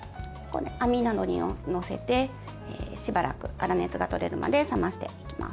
網などに載せてしばらく粗熱が取れるまで冷ましていきます。